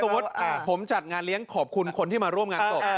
ผมจัดงานเลี้ยงขอบคุณคนที่มาร่วมงานศพ